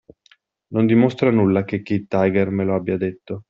Non dimostra nulla che Kid Tiger me lo abbia detto.